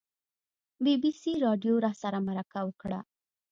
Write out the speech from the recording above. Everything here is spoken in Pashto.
بي بي سي راډیو راسره مرکه وکړه.